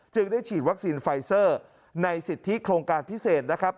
ได้ฉีดวัคซีนไฟเซอร์ในสิทธิโครงการพิเศษนะครับ